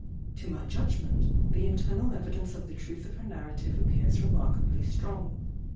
To my judgment, the internal evidence of the truth of her narrative appears remarkably strong.